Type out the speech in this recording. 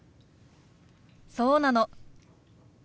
そうなの。